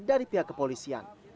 dari pihak kepolisian